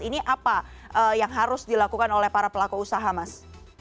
ini apa yang harus dilakukan oleh para pelaku usaha mas